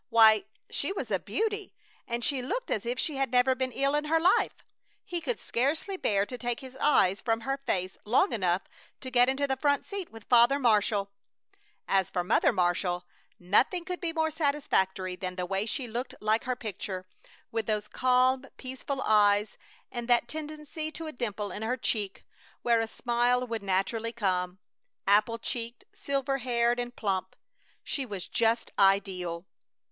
Why, she was a beauty, and she looked as if she had never been ill in her life! He could scarcely bear to take his eyes from her face long enough to get into the front seat with Father Marshall. As for Mother Marshall, nothing could be more satisfactory than the way she looked like her picture, with those calm, peaceful eyes and that tendency to a dimple in her cheek where a smile would naturally come. Apple cheeked, silver haired, and plump. She was just ideal!